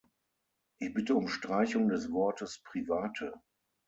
Ich bitte um Streichung des Wortes "private".